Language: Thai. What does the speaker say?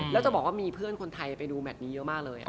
แล้วจะบอกว่ามีเพื่อนคนไทยไปดูแมทนี้เยอะมากเลย